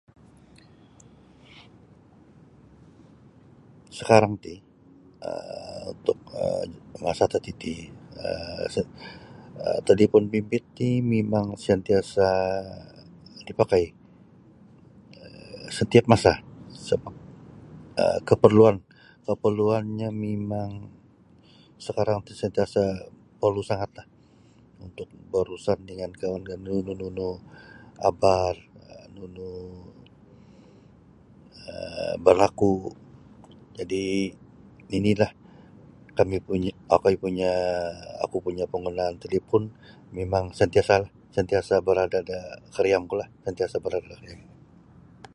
Sakarang ti um untuk um masa tatiti um talipon bimbit ti mimang santiasa dipakai um setiap masa um kaparluan kaparluannyo mimang sakarang ti santiasa porlu sangatlah untuk berurusan dengan [unintelligible] nunu-nunu abar nunu um berlaku jadi' inilah kami' punya' okoi punya' oku punya' talipon mimang santiasa' santiasa' barada' da kariamkulah santiasa' barada' da kariam.